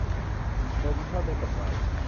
โดยมิชอบด้วยกฎหมาย